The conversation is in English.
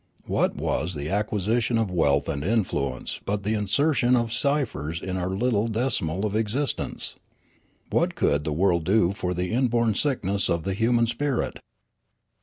What was the acquisition of wealth and influence but the insertion of ciphers in our little decimal of existence ? What could the world do for the inborn sickness of the human spirit